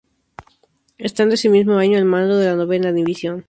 Estando ese mismo año al mando de la Novena División.